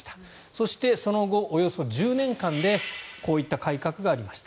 そしてその後、およそ１０年間でこういった改革がありました。